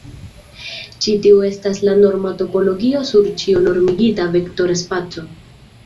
Ĉi tio estas la norma topologio sur ĉiu normigita vektora spaco.